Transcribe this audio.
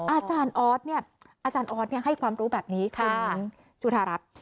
อาจารย์ออสให้ความรู้แบบนี้คุณจุธารับ